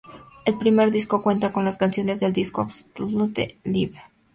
El primer disco cuenta con las canciones del disco Absolutely Live.